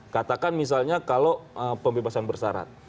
katakan misalnya kalau pembebasan bersarat